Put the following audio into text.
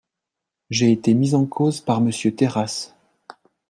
J’ai été mis en cause par Monsieur Terrasse.